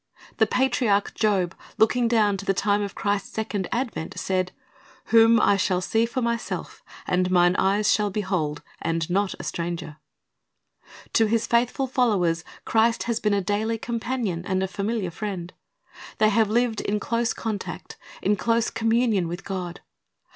The patriarch Job, looking down to the time of Christ's second advent, said, "Whom I shall see for myself, and mine eyes shall behold, and not a stranger.'" To His faithful followers Christ has been a daily companion and familiar friend. They have lived in close contact, in constant communion with God.